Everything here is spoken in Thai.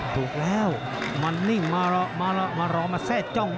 ถูกแล้วมันนิ่งมาแล้วมาแล้วมารอมาแซ่จ้อง